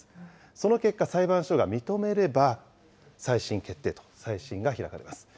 その結果、裁判所が認めれば、再審決定と、再審が開かれます。